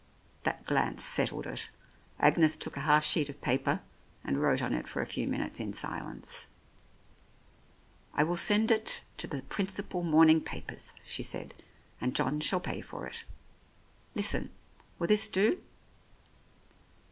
That glance settled it ; Agnes took a half sheet of paper and wrote on it for a few minutes in silence. "I will send it to the principal morning papers," she said, "and John shall pay for it. Listen ! Will this do?